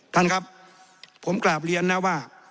ท่านครับผมกราบเรียนนะว่า